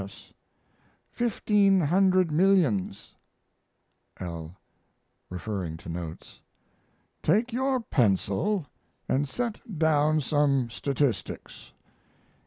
S. Fifteen hundred millions. L. (Referring to notes.) Take your pencil and set down some statistics.